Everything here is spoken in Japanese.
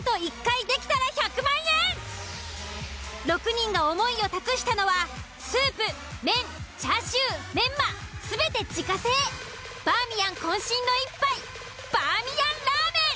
６人が思いを託したのはスープ麺チャーシューメンマ全て自家製「バーミヤン」渾身の一杯バーミヤンラーメン。